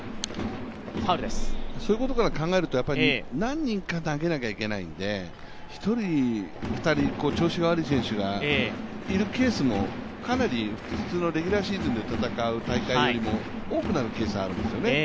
何人か投げなきゃいけないので、１人、２人調子が悪い選手がいるケースも普通のレギュラーシーズンで戦うよりも多くなるケースがあるんですよね。